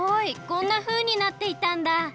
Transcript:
こんなふうになっていたんだ！